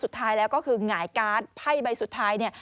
สุดท้ายแล้วก็คือหงายการ์ดไพ่ใบสุดท้ายเนี่ย